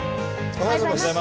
おはようございます。